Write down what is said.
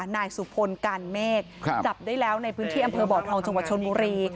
นายสุพลการเมฆจับได้แล้วในพื้นที่อำเภอบ่อทองจังหวัดชนบุรี